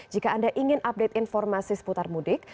jika anda ingin update informasi seputar mudik